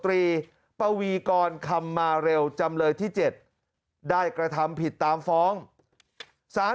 ตรีปวีกรคำมาเร็วจำเลยที่๗ได้กระทำผิดตามฟ้องสาร